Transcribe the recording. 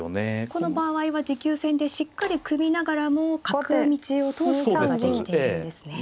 この場合は持久戦でしっかり組みながらも角道を通すことができているんですね。